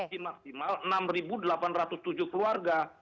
jadi maksimal enam delapan ratus tujuh keluarga